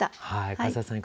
笠井さん